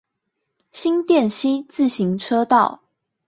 新店溪自行車道